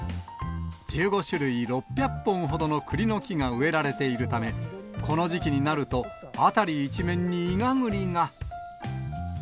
１５種類６００本ほどのクリの木が植えられているため、この時期になると、辺り一面にイガグリが。